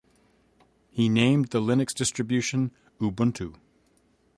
He named the Linux distribution Ubuntu.